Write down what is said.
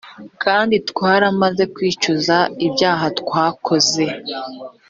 kandi twaramaze kwicuza ibyaha twakoze